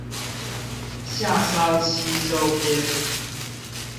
夏商西周篇